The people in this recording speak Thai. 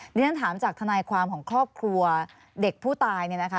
ดิฉันถามจากทนายความของครอบครัวเด็กผู้ตาย